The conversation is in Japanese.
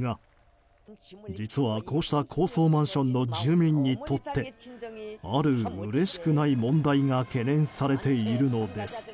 が、実はこうした高層マンションの住民にとってある、うれしくない問題が懸念されているのです。